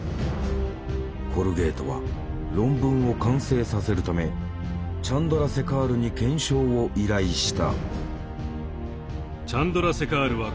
コルゲートは論文を完成させるためチャンドラセカールに検証を依頼した。